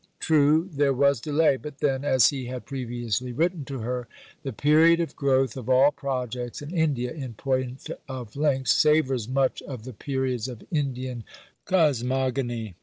True, there was delay; but then, as he had previously written to her, "The period of growth of all projects in India, in point of length, savours much of the periods of Indian cosmogony."